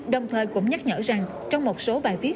đồng thời cũng nhắc nhở rằng trong một số bài viết